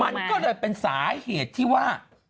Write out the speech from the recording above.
มันก็เลยเป็นสาเหตุที่ว่า